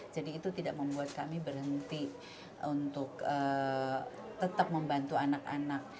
jadi itu tidak membuat kami berhenti untuk tetap membantu anak anak